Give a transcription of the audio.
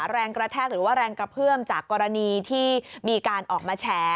แรงกระแทกหรือว่าแรงกระเพื่อมจากกรณีที่มีการออกมาแฉ